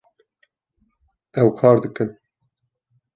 Ew kar dikin